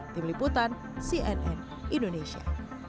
tim liputan cnn indonesia